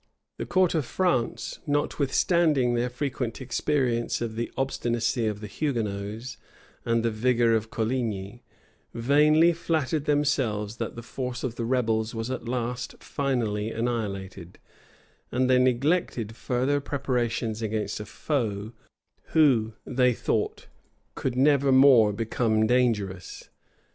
The court of France, notwithstanding their frequent experience of the obstinacy of the Hugonots, and the vigor of Coligny, vainly flattered themselves that the force of the rebels was at last finally annihilated; and they neglected further preparations against a foe, who, they thought, could never more become dangerous.